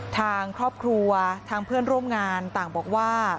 ทางครอบครัวทางเพื่อนร่วมงานต่างบอกว่า